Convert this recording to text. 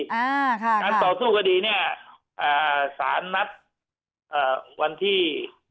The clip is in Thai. อ่าค่ะการต่อสู้คดีเนี้ยอ่าสารนัดเอ่อวันที่